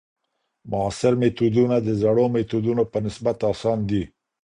معاصر میتودونه د زړو میتودونو په نسبت اسان دي.